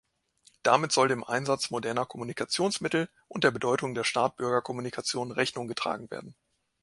Damit soll dem Einsatz moderner Kommunikationsmittel und der Bedeutung der Staat-Bürger-Kommunikation Rechnung getragen werden.